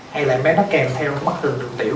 hay là em bé nó kèm theo có bất thường đường tiểu